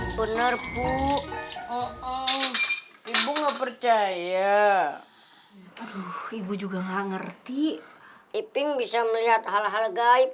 bener ibu enggak percaya ibu juga nggak ngerti iping bisa melihat hal hal gaib